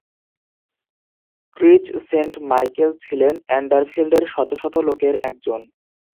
ক্রিচ Saint Michael ছিলেন এন্ডারফিল্ডের শত শত লোকের একজন।